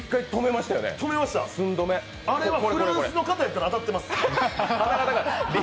あれはフランスの方やったら当たってます。